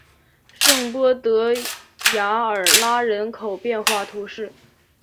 圣波德雅尔拉人口变化图示